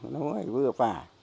đó là vừa phải